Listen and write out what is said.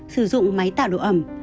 sử dụng máy tạo độ ẩm